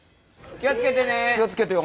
気を付けてね！